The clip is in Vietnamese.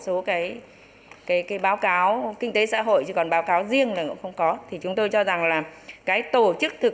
số báo cáo kinh tế xã hội còn báo cáo riêng là cũng không có chúng tôi cho rằng là tổ chức thực